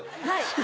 はい。